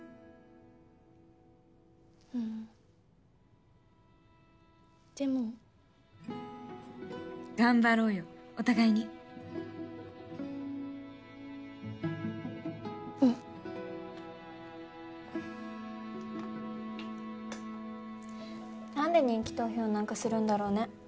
うんでも頑張ろうよお互いにうんなんで人気投票なんかするんだろうね